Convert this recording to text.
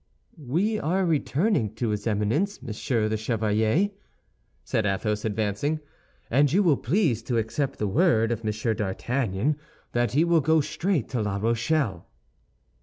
"We are returning to his Eminence, monsieur the Chevalier," said Athos, advancing; "and you will please to accept the word of Monsieur d'Artagnan that he will go straight to La Rochelle."